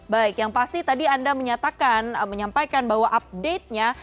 baik yang pasti tadi anda menyatakan menyampaikan bahwa update nya